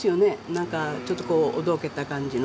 なんかちょっとおどけた感じの。